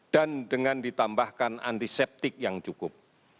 dan dengan ditambahkan antiseptik yang cukup